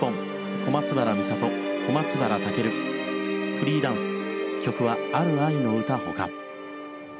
フリーダンス曲は『ある愛の詩』ほか。